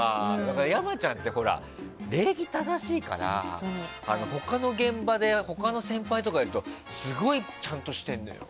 山ちゃんって礼儀正しいから他の現場で他の先輩とかいるとすごいちゃんとしてんのよ。